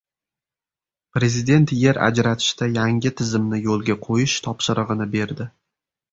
Prezident yer ajratishda yangi tizimni yo‘lga qo‘yish topshirig‘ini berdi